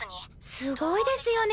すごいですよね